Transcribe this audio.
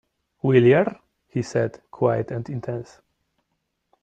“Will yer?” he said, quiet and intense.